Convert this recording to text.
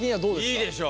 いいでしょ。